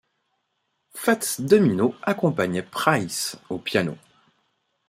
Fats Domino accompagnait Price au piano.